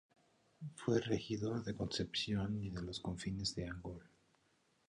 Fue regidor de Concepción y de los Confines de Angol.